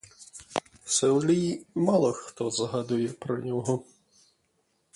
У селі мало хто й згадує про його.